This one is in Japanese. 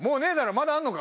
まだあんのか？